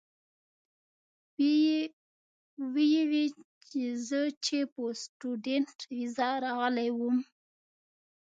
وې ئې زۀ چې پۀ سټوډنټ ويزا راغلی ووم